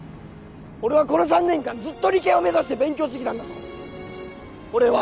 俺はこの３年間ずっと理系を目指して勉強してきたんだぞ俺は！